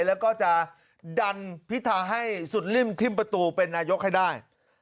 แล้วก็จะดันพิธาให้สุดริ่มทิ้มประตูเป็นนายกให้ได้